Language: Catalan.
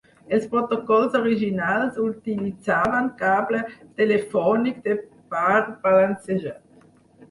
Els protocols originals utilitzaven cable telefònic de par balancejat.